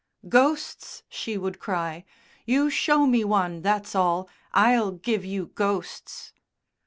"Ghosts!" she would cry. "You show me one, that's all. I'll give you ghosts!"